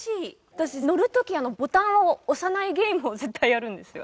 私乗る時ボタンを押さないゲームを絶対やるんですよ。